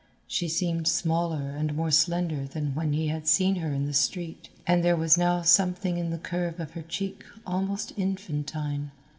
She seemed smaller and more slender than when he had seen her in the street, and there was now something in the curve of her cheek almost infantine.